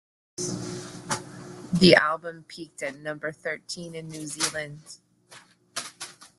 The album peaked at number thirteen in New Zealand.